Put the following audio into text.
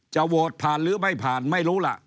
โหวตผ่านหรือไม่ผ่านไม่รู้ล่ะ